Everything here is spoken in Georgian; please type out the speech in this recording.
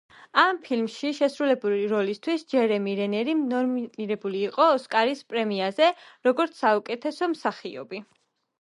ამ ფილმში შესრულებული როლისთვის ჯერემი რენერი ნომინირებულ იყო ოსკარის პრემიაზე, როგორც საუკეთესო მსახიობი.